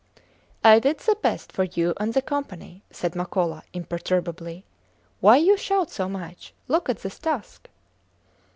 I did the best for you and the Company, said Makola, imperturbably. Why you shout so much? Look at this tusk.